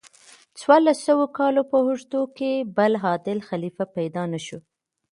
څوارلس سوو کالو په اوږدو کې بل عادل خلیفه پیدا نشو.